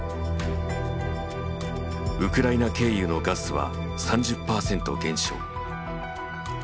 ウクライナ経由のガスは３０％減少。